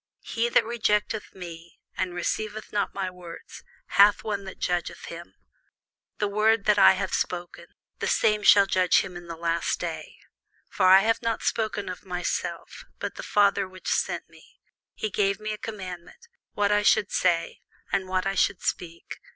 He that rejecteth me, and receiveth not my words, hath one that judgeth him: the word that I have spoken, the same shall judge him in the last day. For I have not spoken of myself; but the Father which sent me, he gave me a commandment, what I should say, and what I should speak.